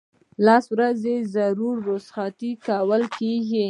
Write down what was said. لس ورځې ضروري رخصتۍ ورکول کیږي.